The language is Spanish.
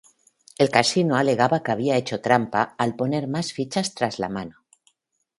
El casino alegaba que había hecho trampa al poner más fichas tras la mano.